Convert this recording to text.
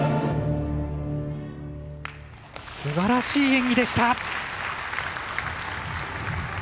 すばらしい演技でした。